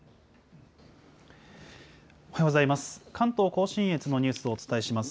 おはようございます。